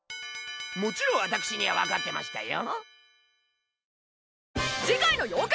もちろん私にはわかってましたよ。